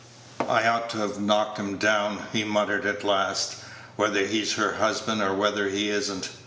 "I ought to ha' knocked him down," he muttered at last; "whether he's her husband or whether he is n't.